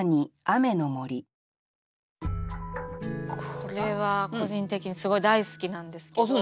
これは個人的にすごい大好きなんですけど。